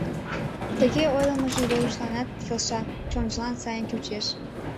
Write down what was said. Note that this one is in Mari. Тыге ойлымыжо Верушланат келша, чонжылан сайын чучеш.